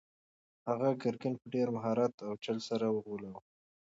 هغه ګرګین په ډېر مهارت او چل سره وغولاوه.